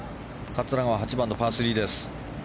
桂川、８番のパー３です。